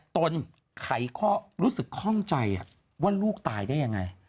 นไขข้อรู้สึกคล่องใจว่าลูกตายได้ยังไง